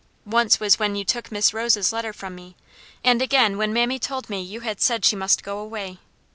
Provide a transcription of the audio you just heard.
Once when you took Miss Rose's letter from me, and again when mammy told me you had said she must go away.